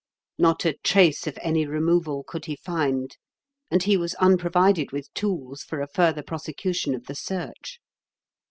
Not a trace of any removal could he find, and he was unprovided with tools for a further prosecution of the search.